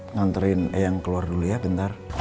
ngantriin eyang keluar dulu ya bentar